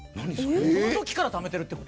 その時からためてるってこと？